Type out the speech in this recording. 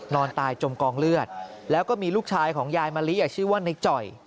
นอนตายจมกองเลือดแล้วก็มีลูกชายของยายมะลิชื่อว่าในจ่อย